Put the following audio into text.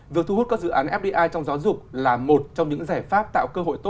được thu hút các dự án fdi trong giáo dục